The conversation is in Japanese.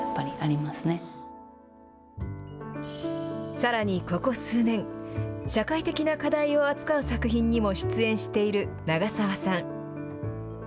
さらに、ここ数年社会的な課題を扱う作品にも出演している長澤さん。